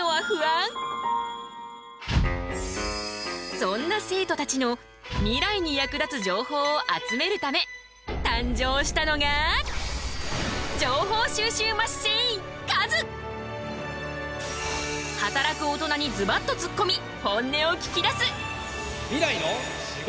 そんな生徒たちのミライに役立つ情報を集めるため誕生したのが働く大人にズバッとつっこみ本音を聞きだす！